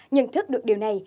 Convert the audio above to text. nhận thức được điều này